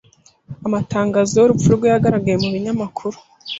Amatangazo y'urupfu rwe yagaragaye mu binyamakuru.